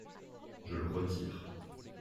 Je le retire.